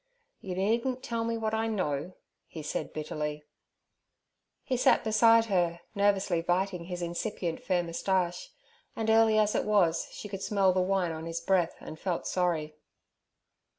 'You needn't tell me what I know' he said bitterly. He sat beside her, nervously biting his incipient fair moustache, and early as it was she could smell the wine on his breath and felt sorry.